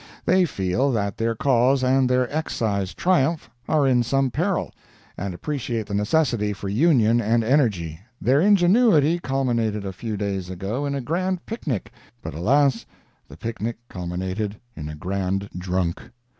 They feel that their cause and their Excise triumph are in some peril, and appreciate the necessity for union and energy. Their ingenuity culminated a few days ago in a grand picnic, but alas! the picnic culminated in a grand drunk!